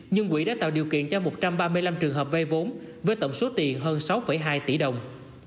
nhưng quỹ đã tạo điều kiện cho một trăm ba mươi năm trường hợp vay vốn với tổng số tiền hơn sáu hai tỷ đồng